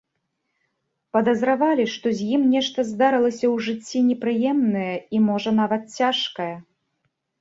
Падазравалі, што з ім нешта здарылася ў жыцці непрыемнае і, можа, нават цяжкае.